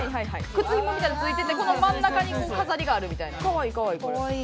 靴ひもみたいのついててこの真ん中に飾りがあるみたいな。